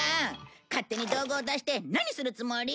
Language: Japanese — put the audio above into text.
勝手に道具を出して何するつもり？